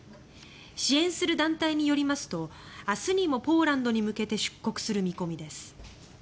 支援する団体によりますと明日にもポーランドに向けて出国する見込みです。